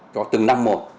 cho từng năm một